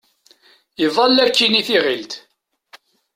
Iḍall akkin i tiɣilt.